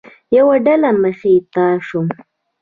یوه ډله مخې ته شوه.